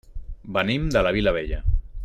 Venim de la Vilavella.